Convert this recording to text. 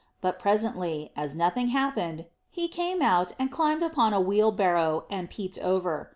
But presently, as nothing happened, he came out, and climbed upon a wheelbarrow, and peeped over.